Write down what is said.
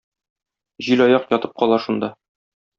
Җилаяк ятып кала шунда.